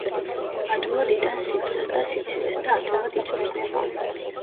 ადვილად იტანს სიცხეს და სიცივეს და ადვილად იწვრთნება.